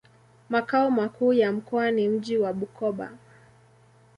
Makao makuu ya mkoa ni mji wa Bukoba.